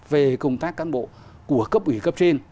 về công tác cán bộ của cấp ủy cấp trên